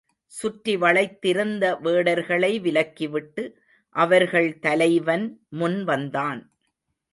சுற்றி வளைத்திருந்த வேடர்களை விலக்கிவிட்டு அவர்கள் தலைவன் முன்வந்தான்.